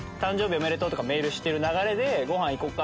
おめでとう！とかメールしてる流れでごはん行こうか！